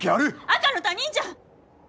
赤の他人じゃん！